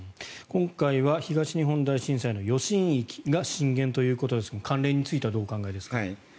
今回は東日本大震災の余震域が震源ということですが関連についてはどうお考えですか？